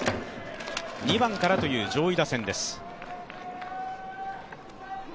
２番からという上位打線です。